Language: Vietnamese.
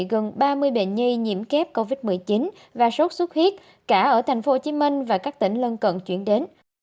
gần ba mươi bệnh nhi nhiễm kép covid một mươi chín và sốt xuất huyết cả ở tp hcm và các tỉnh lân cận chuyển đến